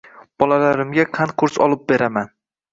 Bolalarimga qand-qurs olib beraman